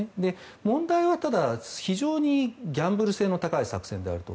問題はただ非常にギャンブル性の高い作戦であると。